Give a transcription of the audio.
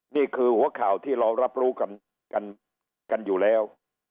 นี่คือหัวข่าวที่เรารับรู้กันอยู่แล้ว